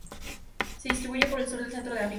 Se distribuyen por el sur y centro de África.